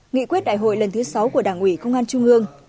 nghị quyết đại hội lần thứ sáu của đảng ủy công an trung ương